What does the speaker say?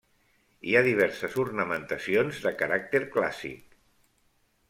Hi ha diverses ornamentacions de caràcter clàssic.